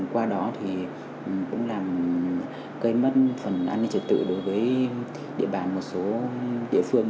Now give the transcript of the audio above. qua đó thì cũng làm gây mất phần an ninh trật tự đối với địa bàn một số địa phương